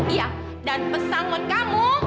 iya dan pesan buat kamu